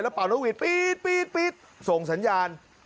แล้วเป่าน้ำหวิตปี๊ดส่งสัญญาณ